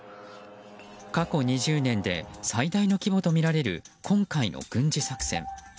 過去２０年で最大の規模とみられる今回の軍事作戦。